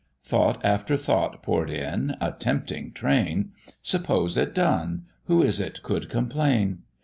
Thought after thought pour'd in, a tempting train: "Suppose it done, who is it could complain?